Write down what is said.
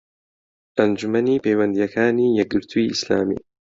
ئەنجومەنی پەیوەندییەکانی یەکگرتووی ئیسلامی